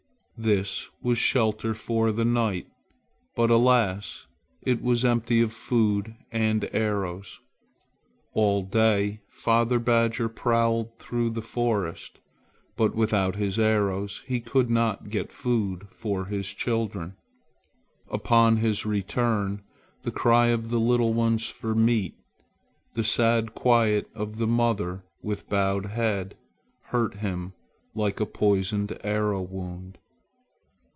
This was shelter for the night; but alas! it was empty of food and arrows. All day father badger prowled through the forest, but without his arrows he could not get food for his children. Upon his return, the cry of the little ones for meat, the sad quiet of the mother with bowed head, hurt him like a poisoned arrow wound.